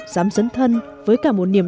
dám dấn thân với cả một niềm